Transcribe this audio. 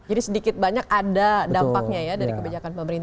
jadi sedikit banyak ada dampaknya ya dari kebijakan pemerintah